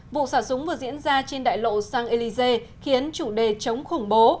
vụ sả súng vừa diễn ra trên đại lộ saint élysée khiến chủ đề chống khủng bố